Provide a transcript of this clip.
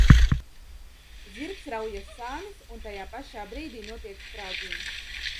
Zirgs raujas sānis un tajā pašā brīdī notiek sprādziens.